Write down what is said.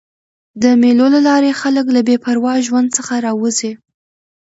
د مېلو له لاري خلک له بې پروا ژوند څخه راوځي.